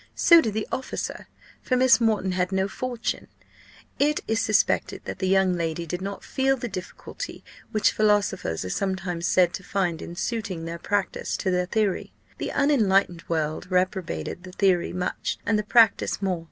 So did the officer; for Miss Moreton had no fortune. It is suspected that the young lady did not feel the difficulty, which philosophers are sometimes said to find in suiting their practice to their theory. The unenlightened world reprobated the theory much, and the practice more.